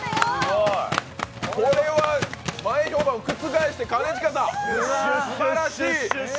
これは前評判を覆して兼近さん、すばらしい。